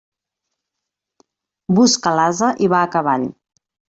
Busca l'ase, i va a cavall.